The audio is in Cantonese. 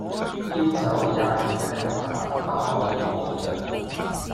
要走也要吃得飽，不可以餓著